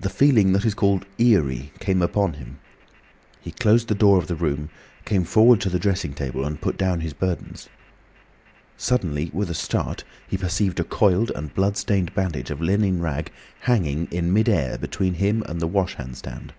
The feeling that is called "eerie" came upon him. He closed the door of the room, came forward to the dressing table, and put down his burdens. Suddenly, with a start, he perceived a coiled and blood stained bandage of linen rag hanging in mid air, between him and the wash hand stand.